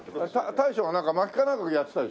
大将がまきかなんかやってたでしょ？